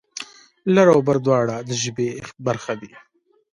لر و بر دواړه د ژبې برخه دي.